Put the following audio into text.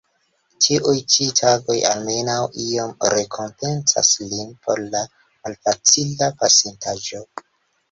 Tiuj ĉi tagoj almenaŭ iom rekompencas lin por la malfacila pasintaĵo.